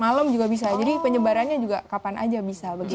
malam juga bisa jadi penyebarannya juga kapan aja bisa begitu